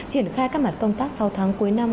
triển khai các mặt công tác sáu tháng cuối năm